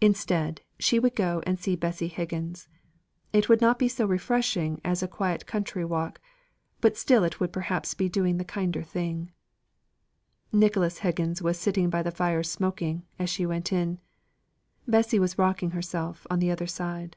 Instead, she would go and see Bessy Higgins. It would not be so refreshing as a quiet country walk, but still it would perhaps be doing the kinder thing. Nicholas Higgins was sitting by the fire smoking, as she went in. Bessy was rocking herself on the other side.